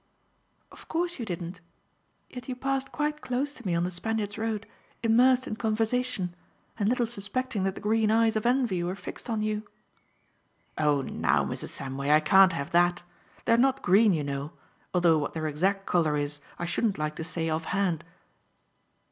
"Of course you didn't. Yet you passed quite close to me on the Spaniard's Road, immersed in conversation, and little suspecting that the green eyes of envy were fixed on you." "Oh, now, Mrs. Samway, I can't have that. They're not green, you know, although what their exact colour is I shouldn't like to say offhand."